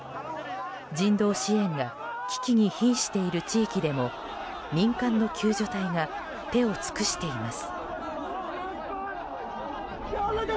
人道支援が危機に瀕している地域でも民間の救助隊が手を尽くしています。